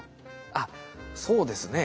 あっそうですね。